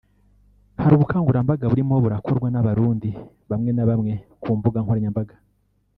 Hari ubukangurambaga burimo burakorwa n’Abarundi bamwe na bamwe ku mbuga nkoranyambaga